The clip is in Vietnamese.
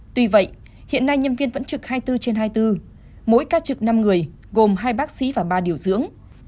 tuy vậy hiện nay nhân viên vẫn trực hai mươi bốn trên hai mươi bốn mỗi ca trực năm người gồm hai bác sĩ và ba điều dưỡng